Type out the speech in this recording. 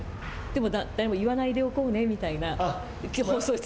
でも誰も言わないでおこうねみたいな。